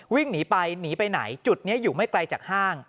วิ่งหนีไปหนีไปไหนจุดนี้อยู่ไม่ไกลจากห้าง